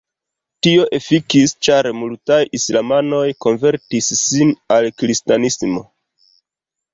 Tio "efikis" ĉar multaj islamanoj konvertis sin al kristanismo.